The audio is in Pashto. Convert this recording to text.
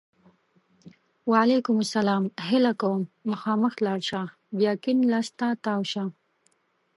وعلیکم سلام! هیله کوم! مخامخ لاړ شه! بیا کیڼ لاس ته تاو شه!